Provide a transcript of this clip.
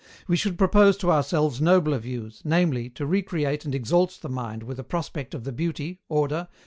We should propose to ourselves nobler views, namely, to recreate and exalt the mind with a prospect of the beauty, order.